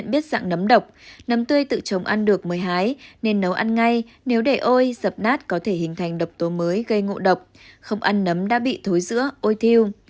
nấm tươi tự trống ăn được mới hái nên nấu ăn ngay nếu để ôi dập nát có thể hình thành độc tố mới gây ngộ độc không ăn nấm đã bị thối dữa ôi thiêu